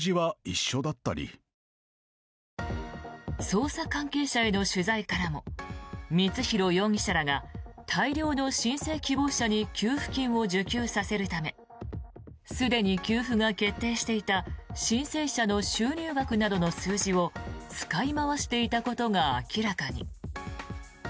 捜査関係者への取材からも光弘容疑者らが大量の申請希望者に給付金を受給させるためすでに給付が決定していた申請者の収入額などの数字を使い回していたことが明らかに。